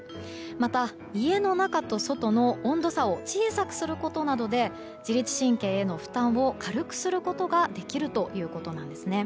また、家の中と外の温度差を小さくすることなどで自律神経への負担を軽くすることができるということです。